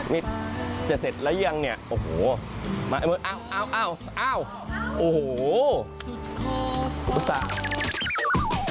นี่จะเสร็จแล้วยังเนี่ยโอ้โหเอาโอ้โห